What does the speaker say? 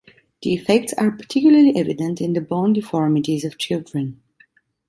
The effects are particularly evident in the bone deformities of children.